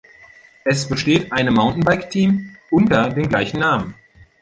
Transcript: Es besteht eine Mountainbike Team unter dem gleichen Namen.